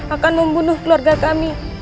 akan membunuh keluarga kami